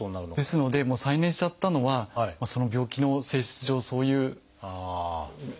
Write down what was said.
ですのでもう再燃しちゃったのはその病気の性質上そういう状況に。